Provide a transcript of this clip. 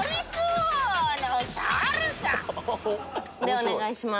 お願いします。